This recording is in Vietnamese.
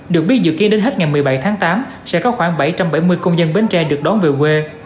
được biết dự kiến đến hết ngày một mươi bảy tháng tám sẽ có khoảng bảy trăm bảy mươi công dân bến tre được đón về quê